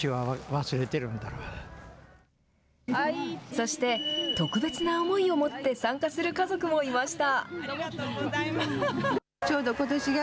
そして、特別な思いを持って参加する家族もいました。